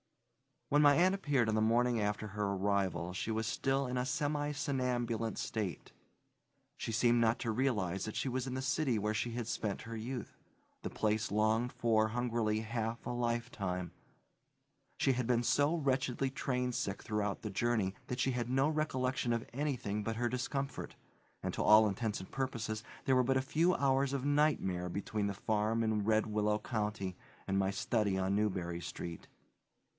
When my aunt appeared on the morning after her arrival she was still in a semi somnambulant state. She seemed not to realize that she was in the city where she had spent her youth, the place longed for hungrily half a lifetime. She had been so wretchedly train sick throughout the journey that she had no recollection of anything but her discomfort, and, to all intents and purposes, there were but a few hours of nightmare between the farm in Red Willow County and my study on Newbury Street.